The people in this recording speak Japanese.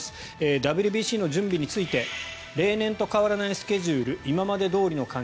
ＷＢＣの準備について例年と変わらないスケジュール今までどおりの感じ